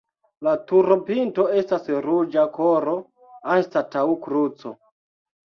La turopinto estas ruĝa koro anstataŭ kruco.